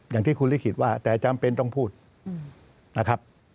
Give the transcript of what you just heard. อย่างที่คุณลิขิตว่าแต่จำเป็นต้องพูดนะครับ